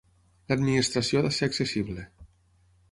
L'Administració ha de ser accessible.